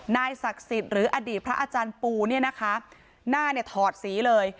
นายศักดิ์สิทธิ์หรืออดีตพระอาจารย์ปูเนี่ยนะคะหน้าเนี่ยถอดสีเลย